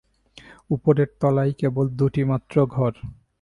উপরের তলায় কেবল দুটিমাত্র ঘর।